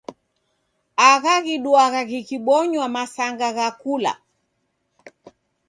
Agha ghiduagha ghikibonywa masanga gha kula.